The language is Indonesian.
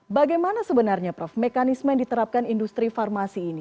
bagaimana sebenarnya prof mekanisme yang diterapkan industri farmasi ini